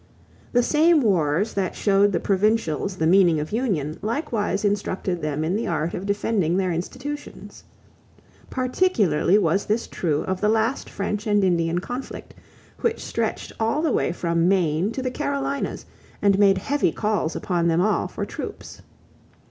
= The same wars that showed the provincials the meaning of union likewise instructed them in the art of defending their institutions. Particularly was this true of the last French and Indian conflict, which stretched all the way from Maine to the Carolinas and made heavy calls upon them all for troops.